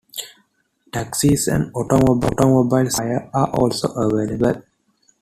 Taxis and automobiles for hire are also available.